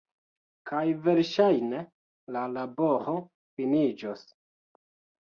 kaj verŝajne la laboro finiĝos